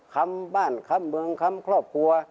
คำบ้านคำเมืองค้ำครอบครัว